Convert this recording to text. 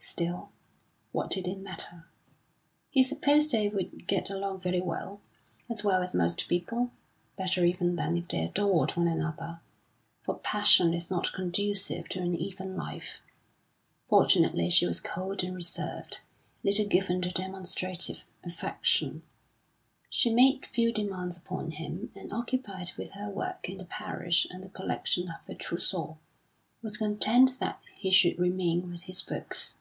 Still, what did it matter? He supposed they would get along very well as well as most people; better even than if they adored one another; for passion is not conducive to an even life. Fortunately she was cold and reserved, little given to demonstrative affection; she made few demands upon him, and occupied with her work in the parish and the collection of her trousseau, was content that he should remain with his books.